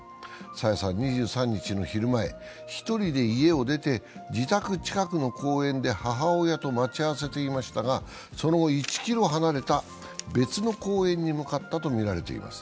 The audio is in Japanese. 朝芽さん、２３日の昼前、１人で家を出て自宅近くの公園で母親と待ち合わせていましたが、その後、１ｋｍ離れた別の公園に向かったとみられています。